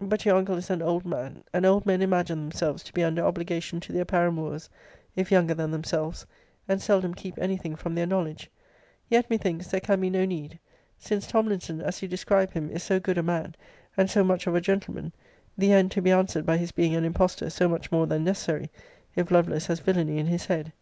But your uncle is an * See Letter XX. of this volume. But your uncle is an old man;* and old men imagine themselves to be under obligation to their paramours, if younger than themselves, and seldom keep any thing from their knowledge. Yet, methinks, there can be no need; since Tomlinson, as you describe him, is so good a man, and so much of a gentleman; the end to be answered by his being an impostor so much more than necessary, if Lovelace has villany in his head.